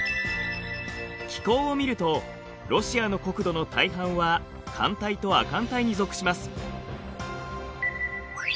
気候を見るとロシアの国土の大半は寒帯と亜寒帯に属します。